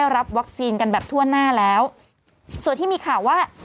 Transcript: รับวัคซีนกันแบบทั่วหน้าแล้วส่วนที่มีข่าวว่า